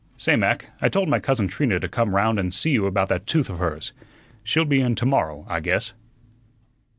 "Say, Mac, I told my cousin Trina to come round and see you about that tooth of her's. She'll be in to morrow, I guess."